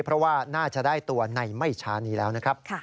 เพราะว่าน่าจะได้ตัวในไม่ช้านี้แล้วนะครับ